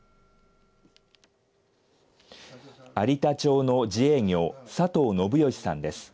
有田町の自営業佐藤信義さんです。